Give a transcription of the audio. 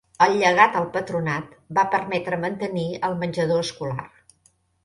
El llegat al patronat va permetre mantenir el menjador escolar.